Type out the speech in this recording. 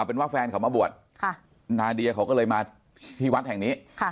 เป็นว่าแฟนเขามาบวชนาเดียเขาก็เลยมาที่วัดแห่งนี้